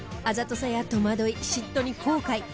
あざとさや戸惑い嫉妬に後悔。